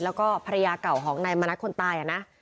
แล้วก็ภรรยาเก่าของนายมณัฐคนตายนะ